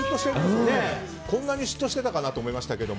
こんなにシュッとしてたかなと思いましたけど。